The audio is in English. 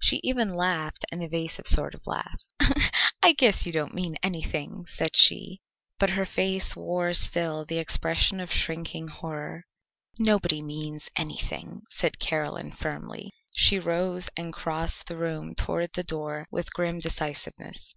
She even laughed an evasive sort of laugh. "I guess you don't mean anything," said she, but her face wore still the expression of shrinking horror. "Nobody means anything," said Caroline firmly. She rose and crossed the room toward the door with grim decisiveness.